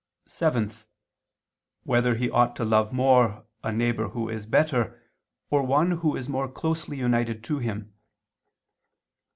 (7) Whether he ought to love more, a neighbor who is better, or one who is more closely united to him?